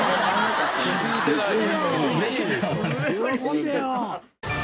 喜んでよ！